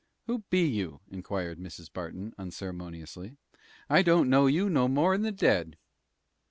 "Who be you?" inquired Mrs. Barton, unceremoniously; "I don't know you no more'n the dead."